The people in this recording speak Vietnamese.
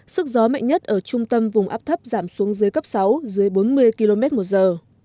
sức gió mạnh nhất ở trung tâm vùng áp thấp giảm xuống dưới cấp sáu dưới bốn mươi km một giờ